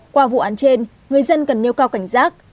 qua vụ án trên người dân cần nêu cao cảnh giác